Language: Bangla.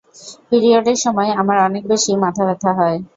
পিরিয়ডের সময় আমার অনেক বেশি মাথা ব্যথা হয়।